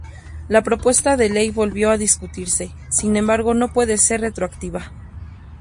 La propuesta de ley volvió a discutirse, sin embargo no puede ser retroactiva.